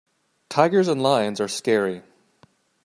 Tigers and lions are scary.